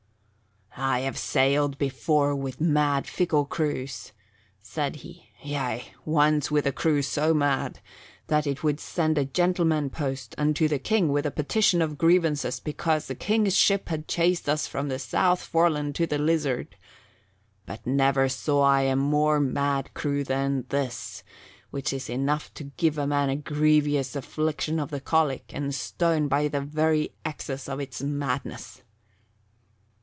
"I have sailed before with mad, fickle crews," said he; "yea, once with a crew so mad that it would send a gentleman post unto the King with a petition of grievances because a King's ship had chased us from the South Foreland to the Lizard. But never saw I a more mad crew than this, which is enough to give a man a grievous affliction of the colic and stone by the very excess of its madness."